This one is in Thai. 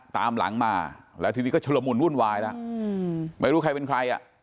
ตามหลังมาแล้วทีนี้ก็ชุลมุนวุ่นวายแล้วไม่รู้ใครเป็นใครอ่ะ